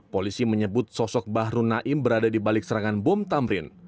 polisi menyebut sosok bahru naim berada di balik serangan bom tamrin